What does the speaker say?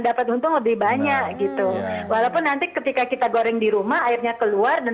dapat untung lebih banyak gitu walaupun nanti ketika kita goreng di rumah airnya keluar dan